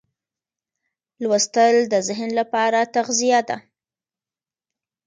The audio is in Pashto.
لوستل د ذهن لپاره تغذیه ده.